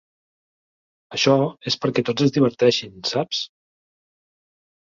Això és perquè tots es diverteixin, saps?